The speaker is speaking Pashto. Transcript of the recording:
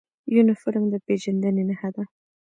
یونفورم د پیژندنې نښه ده